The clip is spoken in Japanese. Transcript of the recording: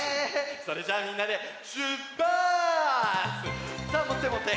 それじゃあみんなでしゅっぱつ！さあもってもって！